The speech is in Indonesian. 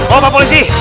oh pak polisi